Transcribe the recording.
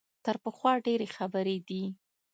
تر پخوا ډېرې خبرې دي.